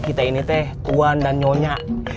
kita ini tuh tuan dan nyonya